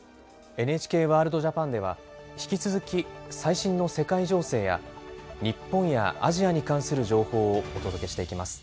「ＮＨＫワールドＪＡＰＡＮ」では引き続き最新の世界情勢や日本やアジアに関する情報をお届けしていきます。